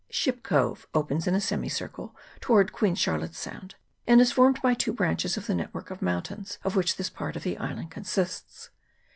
Ship Cove opens in a semicircle towards Queen Charlotte's Sound, and is formed by two branches of the network of mountains of which this part of the island consists.